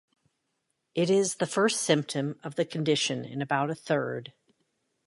It is the first symptom of the condition in about a third.